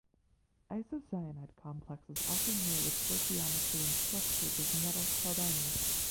Isocyanide complexes often mirror the stoichiometry and structures of metal carbonyls.